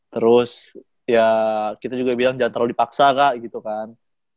terus ya kita juga bilang jangan terlalu dipaksa kak gitu kan